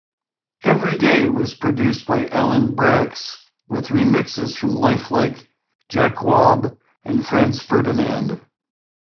"Everyday" was produced by Alan Braxe with remixes from LifeLike, Jakwob, and Franz Ferdinand.